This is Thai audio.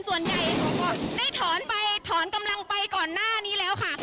ส่วนใหญ่ได้ถอนไปถอนกำลังไปก่อนหน้านี้แล้วค่ะ